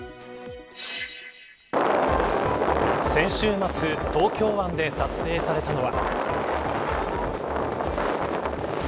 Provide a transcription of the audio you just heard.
先週末東京湾で撮影されたのは。